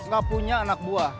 gak punya anak buah